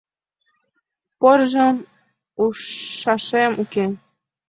Порыжым ужшашем уке.